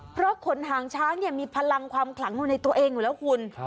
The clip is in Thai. เพราะขนหางช้างมีพลังความขลังอยู่ในตัวเองอยู่แล้วคุณ